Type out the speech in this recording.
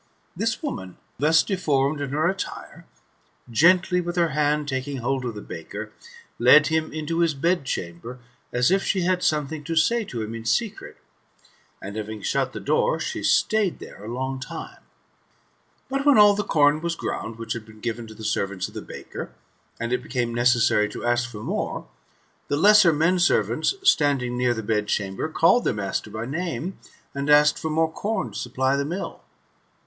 This woman, thus deforn\ed in her attire, gently with her hand taking hold of the baker, led him into his bed chamber, as if she had something to say to him in secret, and having shut the door, she staid there a long time. But when all the corn was ground, which had been given to the servants of the baker, and it became necessary to ask for more, the lesser men servants, standing near the bedchamber, called their master by name, and asked for more corn to supply the mill.